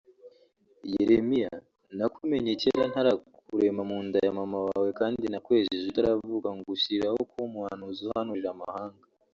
“Yeremiya nakumenye kera ntarakurema mu nda ya mama wawe kandi nakwejeje utaravuka ngushyiriraho kuba umuhanuzi uhanurira amahanga